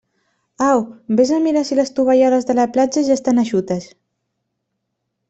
Au, vés a mirar si les tovalloles de la platja ja estan eixutes.